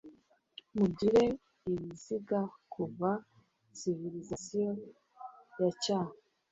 Mugire ibiziga kuva civilisation yacya